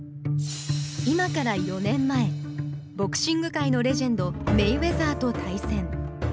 今から４年前ボクシング界のレジェンドメイウェザーと対戦。